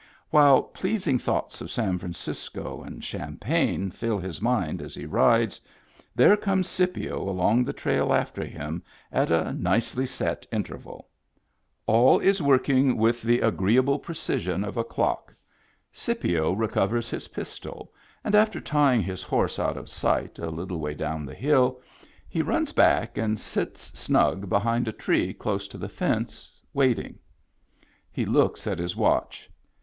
While pleasing thoughts of San Fran cisco and champagne fill his mind as he rides, there comes Scipio along the trail after him at a nicely set interval. All is working with the agree Digitized by Google SPIT CAT CREEK 87 able precision of a clock. Scipio recovers his pistol, and after tying his horse out of sight a little way down the hill, he runs back and sits snug behind a tree close to the fence, waiting. He looks at his watch.